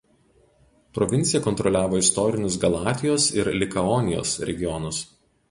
Provincija kontroliavo istorinius Galatijos ir Likaonijos regionus.